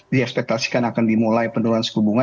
di ekspektasikan akan dimulai penurunan suku bunga